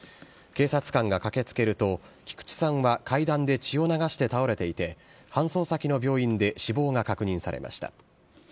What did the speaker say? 警察官が駆けつけると、菊地さんは階段で血を流して倒れていて、搬送先の病院で死亡が確認されました。